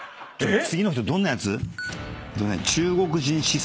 次の人どんなやつ？